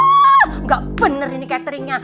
wah gak bener ini cateringnya